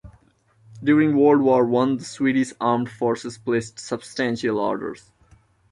During World War One, the Swedish Armed Forces placed substantial orders.